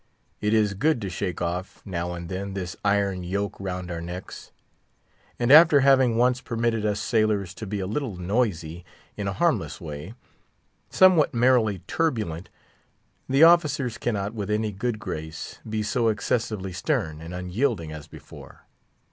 It is good to shake off, now and then, this iron yoke round our necks. And after having once permitted us sailors to be a little noisy, in a harmless way—somewhat merrily turbulent—the officers cannot, with any good grace, be so excessively stern and unyielding as before.